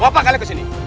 bapak kalian kesini